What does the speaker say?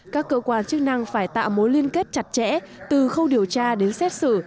các cơ quan chức năng phải tạo mối liên kết chặt chẽ từ khâu điều tra đến xét xử